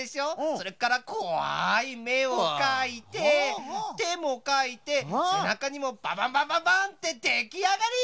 それからこわいめをかいててもかいてせなかにもバンバンバンバンバンってできあがり！